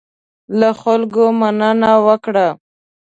له خلکو مننه وکړه.